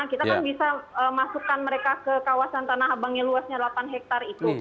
kita kan bisa masukkan mereka ke kawasan tanah abang yang luasnya delapan hektare itu